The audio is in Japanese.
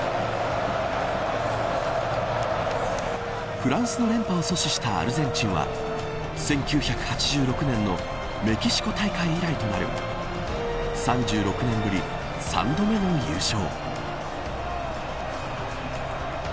フランスの連覇を阻止したアルゼンチンは１９８６年のメキシコ大会以来となる３６年ぶり３度目の優勝。